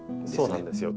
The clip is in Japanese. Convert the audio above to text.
そうなんですよ。